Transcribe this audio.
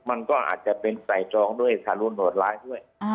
มันก็อาจจะใส่แบบรวดร้ายด้วย